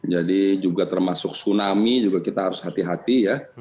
jadi juga termasuk tsunami juga kita harus hati hati ya